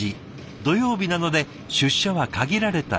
土曜日なので出社は限られた人だけ。